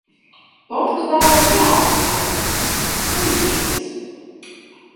Portugālē neaug pienenes, muļķības!